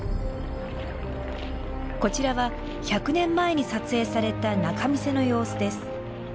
こちらは１００年前に撮影された仲見世の様子です。